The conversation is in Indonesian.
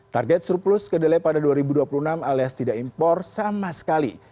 target surplus kedelai pada dua ribu dua puluh enam alias tidak impor sama sekali